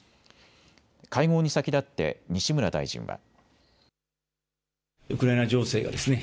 会合に先立って西村大臣は。